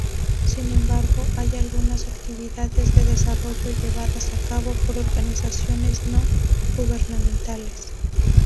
Sin embargo, hay algunas actividades de desarrollo llevadas a cabo por organizaciones no gubernamentales.